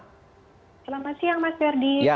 selamat siang mas berdi